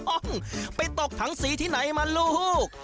โอ้โห้น้องไปตกถังสีที่ไหนมันลูก